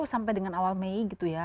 sampai dengan awal mei gitu ya